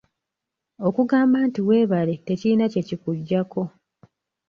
Okugamba nti weebale tekirina kye kikugyako.